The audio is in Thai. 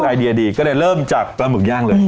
อ๋อหรอไอเดียดีก็ได้เริ่มจากปลาหมึกย่างเลย